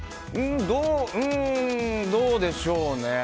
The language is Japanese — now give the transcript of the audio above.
うーんどうでしょうね。